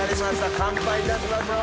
乾杯いたしましょう。